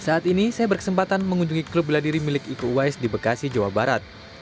saat ini saya berkesempatan mengunjungi klub bela diri milik iko uwais di bekasi jawa barat